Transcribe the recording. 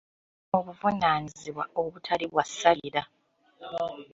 Obuvunaanyizibwa obutali bwa ssalira.